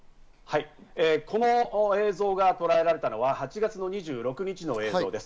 この映像がとらえられたのは８月の２６日の映像です。